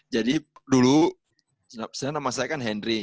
jadi dulu sebenernya nama saya kan hendry